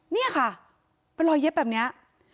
เนี่ยค่ะไปรอยเย็บแบบนี้